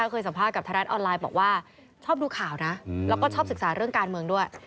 เคยสัมภาษณ์กับไทยรัฐออนไลน์บอกว่าชอบดูข่าวนะแล้วก็ชอบศึกษาเรื่องการเมืองด้วย